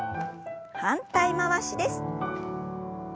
反対回しです。